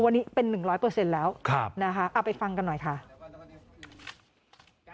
วันนี้เป็น๑๐๐เปอร์เซ็นต์แล้วนะคะเอาไปฟังกันหน่อยค่ะค่ะครับ